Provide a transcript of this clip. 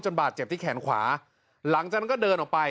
บาดเจ็บที่แขนขวาหลังจากนั้นก็เดินออกไป